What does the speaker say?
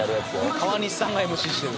「川西さんがＭＣしてる」